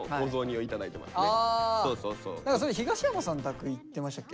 何かそういや東山さん宅行ってましたっけ。